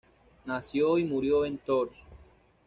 Nació y murió en Tours.